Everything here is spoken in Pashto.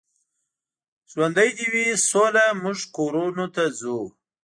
ژوندۍ دې وي سوله، موږ کورونو ته ځو.